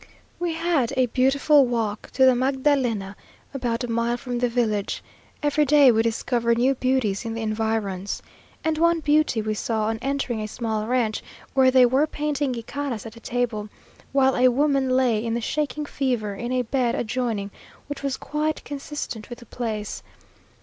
We had a beautiful walk to the Magdalena, about a mile from the village. Every day we discover new beauties in the environs. And one beauty we saw on entering a small rancho, where they were painting gicaras at a table, while a woman lay in the shaking fever in a bed adjoining, which was quite consistent with the place.